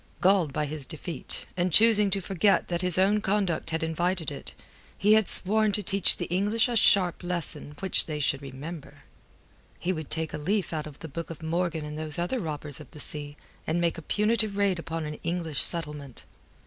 Galled by his defeat, and choosing to forget that his own conduct had invited it, he had sworn to teach the English a sharp lesson which they should remember. He would take a leaf out of the book of Morgan and those other robbers of the sea, and make a punitive raid upon an English settlement.